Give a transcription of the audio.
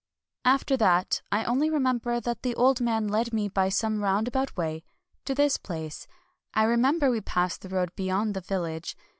After that, I only remember that the old man led me by some roundabout way to this place — I remember we passed the road beyond the village.